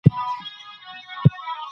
د کلي خلک دغه کوټې ته ورتلل.